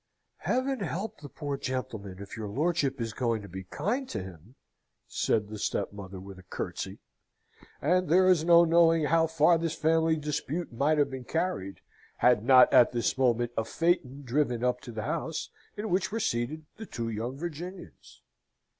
"Heaven help the poor gentleman if your lordship is going to be kind to him," said the stepmother, with a curtsey; and there is no knowing how far this family dispute might have been carried, had not, at this moment, a phaeton driven up to the house, in which were seated the two young Virginians.